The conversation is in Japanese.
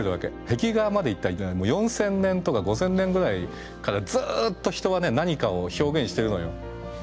壁画までいったら４，０００年とか５，０００年ぐらいずっと人は何かを表現してるのよ。